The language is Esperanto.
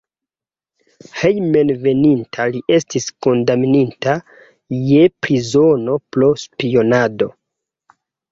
Hejmenveninta li estis kondamnita je prizono pro spionado.